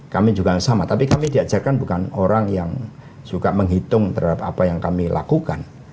kami juga sama tapi kami diajarkan bukan orang yang juga menghitung terhadap apa yang kami lakukan